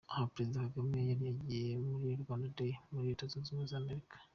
Aha Perezida Kagame yari yagiye muri Rwanda Day muri Leta Zunze Ubumwe za Amerika.